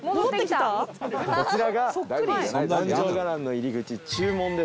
こちらが壇上伽藍の入り口中門です。